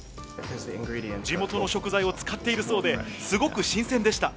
地元の食材を使っているそうで、すごく新鮮でした。